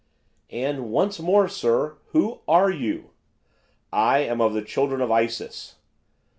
'And, once more, sir, who are you?' 'I am of the children of Isis!